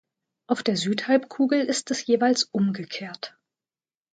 Auf der Südhalbkugel ist es jeweils umgekehrt.